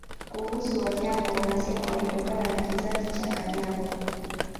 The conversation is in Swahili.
Kuhusu Wanyambo wanasema walitokana na kizazi cha Kanyambo